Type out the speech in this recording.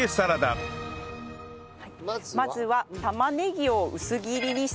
まずは玉ねぎを薄切りにしてください。